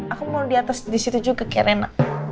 aku mau di atas disitu juga kayak renah